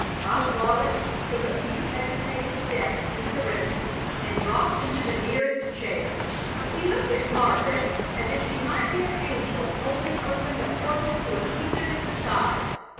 Pop Wallis took a few hesitating steps into the room and dropped into the nearest chair. He looked at Margaret as if she might be an angel holding open the portal to a kingdom in the sky.